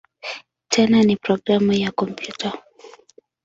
Tena ni programu ya kompyuta.